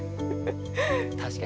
確かにね。